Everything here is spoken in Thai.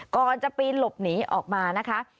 ก่อนจะปีนหลบหนีออกมานะคะ